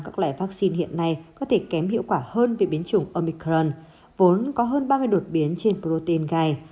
các loại vaccine hiện nay có thể kém hiệu quả hơn về biến chủng omicron vốn có hơn ba mươi đột biến trên protein gai